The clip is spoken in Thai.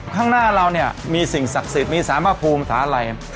ข้างหน้าเราเนี่ยมีสิ่งศักดิ์สิทธิ์มีสารพระภูมิสาอะไร